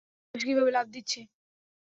বাতাসে কীভাবে লাফ দিচ্ছে!